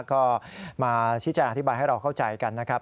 ก็มาชี้แจงอธิบายให้เราเข้าใจกันนะครับ